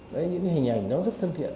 đấy những hình ảnh đó rất thân thiện